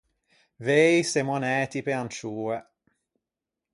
Vëi semmo anæti pe ancioe.